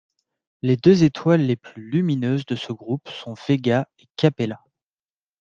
Les deux étoiles les plus lumineuses de ce groupe sont Véga et Capella.